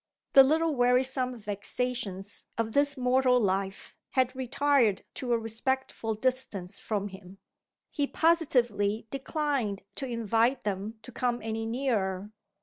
The little wearisome vexations of this mortal life had retired to a respectful distance from him. He positively declined to invite them to come any nearer.